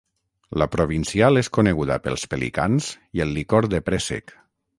La provincial és coneguda pels pelicans i el licor de préssec.